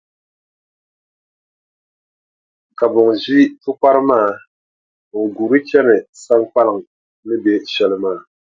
Ka buŋa ʒi pukpara maa, n-guuri chani Saŋkpaliŋ ni be shɛli maa.